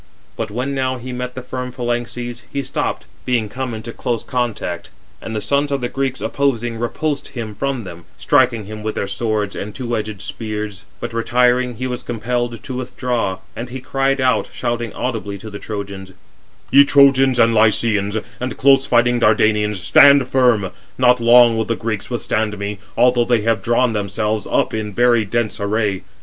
But when now he met the firm phalanxes, he stopped, being come into close contact; and the sons of the Greeks, opposing, repulsed him from them, striking him with their swords and two edged spears; but retiring, he was compelled to withdraw; and he cried out shouting audibly to the Trojans: "Ye Trojans and Lycians, and close fighting Dardanians, stand firm. Not long will the Greeks withstand me, although they have drawn themselves up in very dense array.